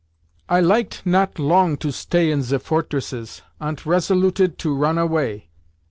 "I liket not long to stay in ze fortresses, ant resoluted to ron away.